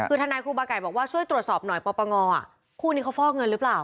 คือทนายครูบาไก่บอกว่าช่วยตรวจสอบหน่อยปปงคู่นี้เขาฟอกเงินหรือเปล่า